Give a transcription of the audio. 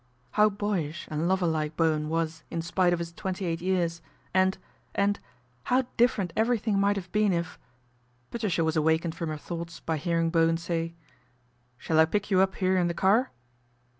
How boyish and lover like Bowen was in spite of his twenty eight years, and and how dif ferent everything might have been if Patricia was awakened from her thoughts by hearing Bowen say :" Shall I pick you up here in the car